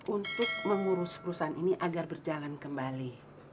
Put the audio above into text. untuk mengurus perusahaan ini agar berjalan kembali